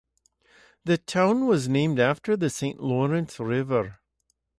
The town was named after the Saint Lawrence River.